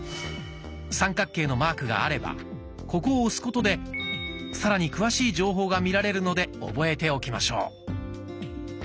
三角形のマークがあればここを押すことでさらに詳しい情報が見られるので覚えておきましょう。